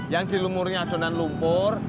yang dilumurnya adonan lumpur